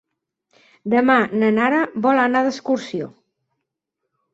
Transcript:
Demà na Nara vol anar d'excursió.